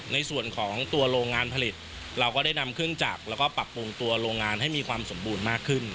ในส่วนของตัวโรงงานผลิตเราก็ได้นำเครื่องจักรแล้วก็ปรับปรุงตัวโรงงานให้มีความสมบูรณ์มากขึ้น